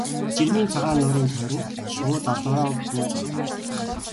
Жирмийн цагаан нуурын тойрон шувууд олноороо бууж ундаална.